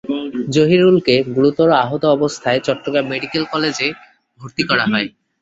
জহিরুলকে গুরুতর আহত অবস্থায় চট্টগ্রাম মেডিকেল কলেজ হাসপাতালে ভর্তি করা হয়।